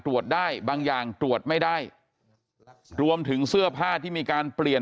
ตรวจได้บางอย่างตรวจไม่ได้รวมถึงเสื้อผ้าที่มีการเปลี่ยน